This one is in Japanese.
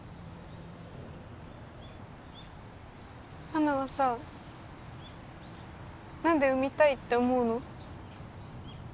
ハナはさ何で産みたいって思うの？